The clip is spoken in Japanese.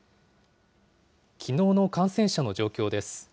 きのうの感染者の状況です。